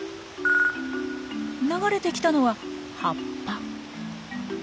流れてきたのは葉っぱ。